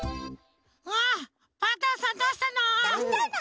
あパンタンさんどうしたの？